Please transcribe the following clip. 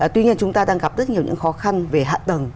tuy nhiên chúng ta đang gặp rất nhiều những khó khăn về hạ tầng